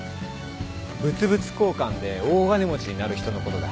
物々交換で大金持ちになる人のことだ。